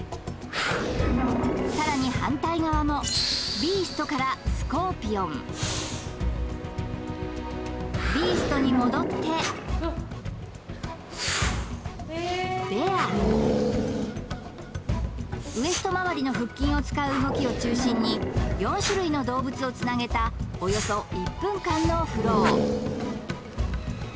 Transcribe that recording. さらに反対側もビーストからスコーピオンビーストに戻ってベアウエスト回りの腹筋を使う動きを中心に４種類の動物をつなげたおよそ１分間のフロー